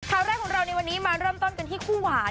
ข่าวแรกของเราในวันนี้มาเริ่มต้นกันที่คู่หวาน